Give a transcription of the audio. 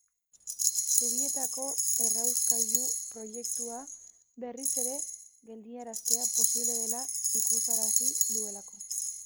Zubietako errauskailu proiektua berriz ere geldiaraztea posible dela ikusarazi duelako.